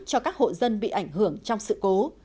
cho các hộ dân bị ảnh hưởng trong sự cố